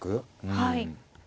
はい。